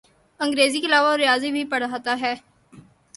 انگریزی کے علاوہ وہ ریاضی بھی پڑھاتا ہے۔